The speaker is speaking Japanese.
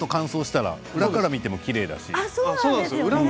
裏から見てもきれいだし。